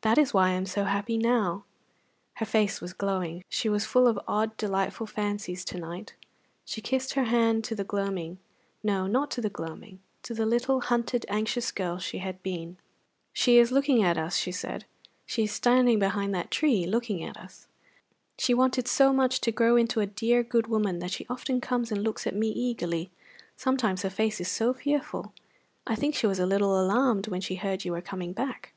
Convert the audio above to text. That is why I am so happy now." Her face was glowing. She was full of odd, delightful fancies to night. She kissed her hand to the gloaming; no, not to the gloaming to the little hunted, anxious girl she had been. [Illustration: "She is standing behind that tree looking at us."] "She is looking at us," she said. "She is standing behind that tree looking at us. She wanted so much to grow into a dear, good woman that she often comes and looks at me eagerly. Sometimes her face is so fearful! I think she was a little alarmed when she heard you were coming back."